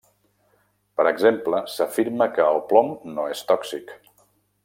Per exemple, s'afirma que el plom no és tòxic.